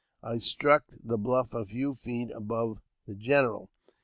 I struck the bluff a few feet above the general.